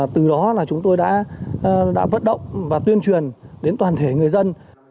từ đó là chúng tôi đã vận động và tuyên truyền đến toàn thể người dân